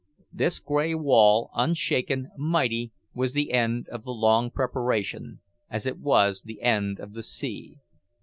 This grey wall, unshaken, mighty, was the end of the long preparation, as it was the end of the sea.